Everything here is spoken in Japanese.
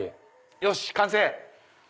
よし完成！